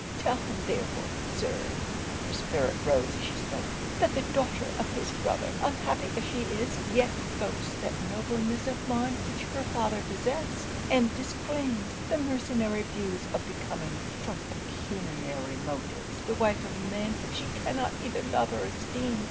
Tell him therefore, Sir,' (her spirit rose as she spoke) 'that the daughter of his brother, unhappy as she is, yet boasts that nobleness of mind which her father possessed, and disclaims the mercenary views of becoming, from pecuniary motives, the wife of a man whom she cannot either love or esteem.